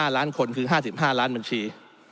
๕ล้านคนคือ๕๕ล้านบัญชี